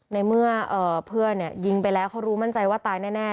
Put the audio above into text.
ในเมื่อเพื่อนยิงไปแล้วเขารู้มั่นใจว่าตายแน่